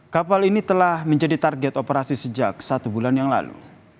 kapal ini telah menjadi target operasi sejak satu bulan yang lalu